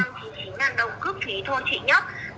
năm chín ngàn đồng cướp phí thôi chỉ nhất